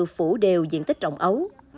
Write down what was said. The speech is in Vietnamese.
phủ đều diện tích trồng ấu